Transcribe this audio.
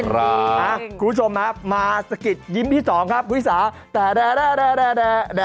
คุณผู้ชมนะครับมาสะกิดยิ้มที่๒ครับคุณผู้ชม